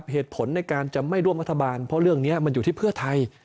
เหตุผลในการจะไม่ร่วมรัฐบาลเพราะเรื่องนี้มันอยู่ที่เพื่อไทย